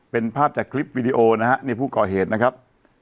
เป็นภาพจากคลิปวิดีโอนะฮะนี่ผู้ก่อเหตุนะครับ